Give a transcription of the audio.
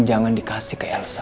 jangan dikasih ke elsa